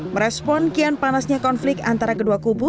merespon kian panasnya konflik antara kedua kubu